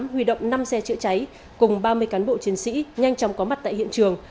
huy động năm xe chữa cháy cùng ba mươi cán bộ chiến sĩ nhanh chóng có mặt tại hiện trường